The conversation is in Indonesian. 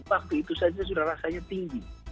waktu itu saja sudah rasanya tinggi